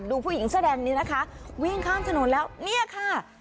ผู้หญิงเสื้อแดงนี้นะคะวิ่งข้ามถนนแล้วเนี่ยค่ะ